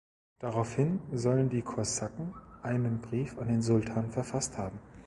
Daraufhin sollen die Kosaken einen Brief an den Sultan verfasst haben.